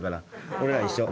俺ら一緒。